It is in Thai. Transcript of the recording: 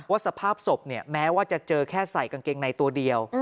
สภาพศพเนี่ยแม้ว่าจะเจอแค่ใส่กางเกงในตัวเดียว